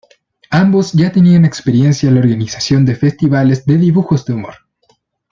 Ambos ya tenían experiencia en la organización de festivales de dibujos de humor.